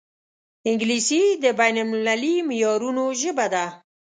انګلیسي د بین المللي معیارونو ژبه ده